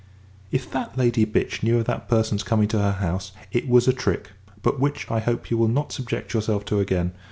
If that Lady Bitch knew of that person's coming to her house, it was a trick; but which, I hope, you will not subject yourself to again.